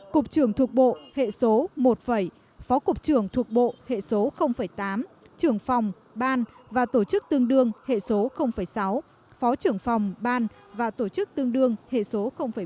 cục trưởng thuộc bộ hệ số một phó cục trưởng thuộc bộ hệ số tám trưởng phòng ban và tổ chức tương đương hệ số sáu phó trưởng phòng ban và tổ chức tương đương hệ số một